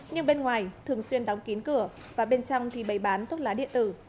nhưng bên ngoài thường xuyên đóng kín cửa và bên trong thì bày bán thuốc lá điện tử